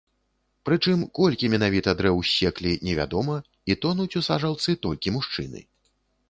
Прычым, колькі менавіта дрэў ссеклі не вядома, і тонуць у сажалцы толькі мужчыны.